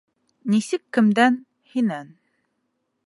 — Нисек кемдән, һинән.